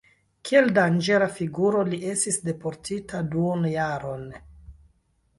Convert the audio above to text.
Kiel danĝera figuro li estis deportita duonjaron.